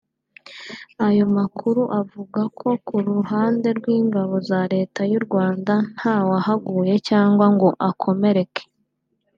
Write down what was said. Ayo makuru avuga ko ku ruhande rw’ingabo za Leta y’u Rwanda ntawahaguye cyangwa ngo akomereke